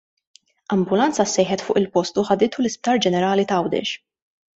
Ambulanza ssejħet fuq il-post u ħaditu l-Isptar Ġenerali t'Għawdex.